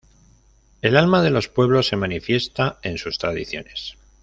El alma de los pueblos se manifiesta en sus tradiciones.